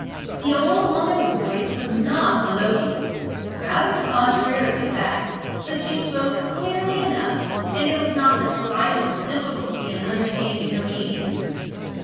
The old woman's voice was not melodious rather the contrary, in fact but she spoke clearly enough, and there was not the slightest difficulty in understanding her meaning.